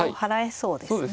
そうですね。